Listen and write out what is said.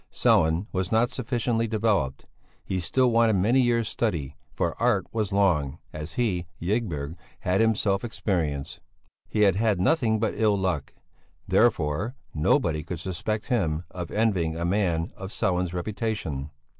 Sellén was not sufficiently developed; he still wanted many years' study, for art was long, as he, Ygberg, had himself experienced. He had had nothing but ill luck, therefore nobody could suspect him of envying a man of Sellén's reputation.